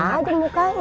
tepuk aja mukanya